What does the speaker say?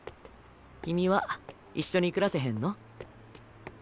君は一緒に暮らせへんの？